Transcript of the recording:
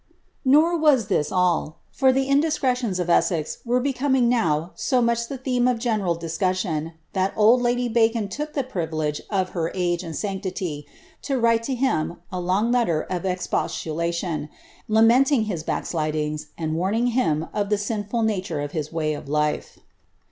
' Nor was this all ; for tlie indiscretions of Essex were becoming now so much the theme of general discussion, that old lady Bacon took the privilege of her age and sanctity to write to him a long letter of expos tulation, lamenting his backslidings, and warning him of the sinful nature of his way of life.'